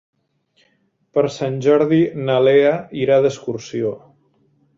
Per Sant Jordi na Lea irà d'excursió.